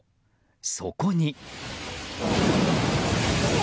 そこに。